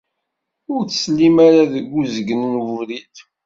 Ur ttsellim ara deg uzgen n webrid.